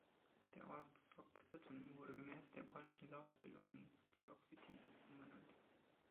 Der Ort Sorquitten wurde gemäß der polnischen Lautbildung in Sorkwity umbenannt.